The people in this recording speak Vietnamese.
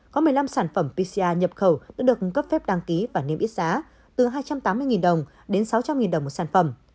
có một mươi năm sản phẩm pcr nhập khẩu đã được cấp phép đăng ký và niêm yết giá từ hai trăm tám mươi đồng đến sáu trăm linh đồng một sản phẩm